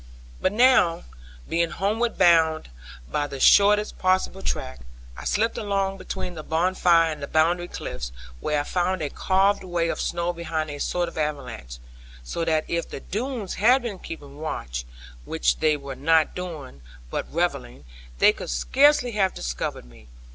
But now, being homeward bound by the shortest possible track, I slipped along between the bonfire and the boundary cliffs, where I found a caved way of snow behind a sort of avalanche: so that if the Doones had been keeping watch (which they were not doing, but revelling), they could scarcely have discovered me.